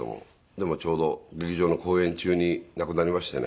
でもちょうど劇場の公演中に亡くなりましてね。